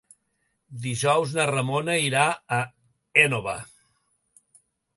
Dijous na Ramona irà a l'Énova.